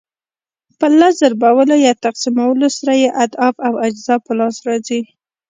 په لس ضربولو یا تقسیمولو سره یې اضعاف او اجزا په لاس راځي.